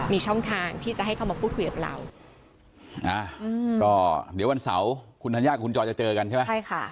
มีช่องทางที่จะให้เขามาพูดคุยกับเรา